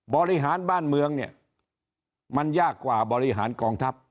บริหารบ้านเมืองเนี่ยมันยากกว่าบริหารกองทัพ